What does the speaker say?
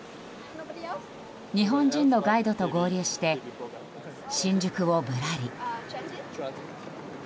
日本人のガイドと合流して新宿をぶらり。